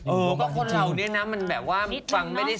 เออคือคนเหล่านี้เนาะมันแบบว่าฟังไม่สัก